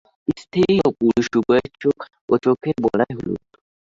স্ত্রী ও পুরুষ পাখির উভয়ের চোখ ও চোখের বলয় হলুদ।